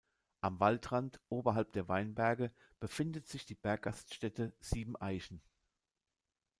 Am Waldrand, oberhalb der Weinberge, befindet sich die Berggaststätte „Sieben Eichen“.